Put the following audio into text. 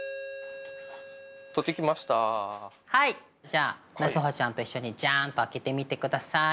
じゃあ夏歩ちゃんと一緒にジャンと開けてみてください。